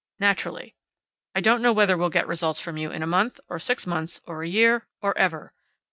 Naturally. I don't know whether we'll get results from you in a month, or six months or a year. Or ever.